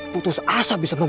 putus asa bisa berubah